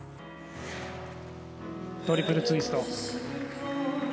トリプルツイスト。